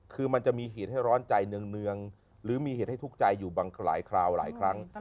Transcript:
คือมันจะมีเหตุให้ร้อนใจเนืองหรือมีเหตุให้ทุกข์ใจอยู่บางหลายคราวหลายครั้ง